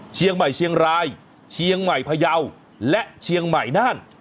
เชียงใหม่เชียงรายเชียงใหม่พยาวและเชียงใหม่นั่น